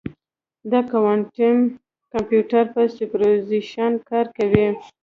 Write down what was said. د کوانټم کمپیوټر په سوپرپوزیشن کار کوي.